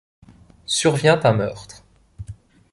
Survient un meurtre.